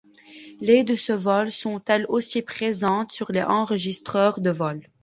Les de ce vol sont, elles aussi, présentes sur les enregistreurs de vol.